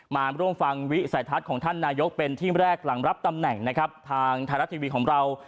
มาร่วมฟังวิสัยทัศน์ของท่านนายกเป็นที่แรกหลังรับตำแหน่งนะครับทางไทยรัฐทีวีของเรา